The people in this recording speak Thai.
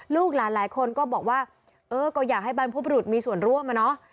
ลูกหลานหลายคนก็บอกว่าเออก็อยากให้บรรพบรุษมีส่วนร่วมอะเนาะ